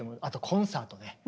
あとコンサートね。